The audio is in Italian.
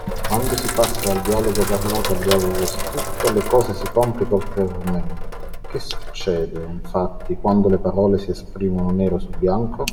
E quando si passa dal dialogo parlato al dialogo scritto, le cose si complicano ulteriormente: che succede, infatti, quando le parole si esprimono nero su bianco?